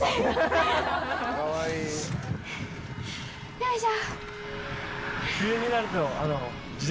よいしょ！